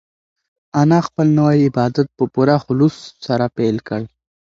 انا خپل نوی عبادت په پوره خلوص سره پیل کړ.